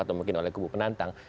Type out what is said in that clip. atau mungkin oleh kubu penantang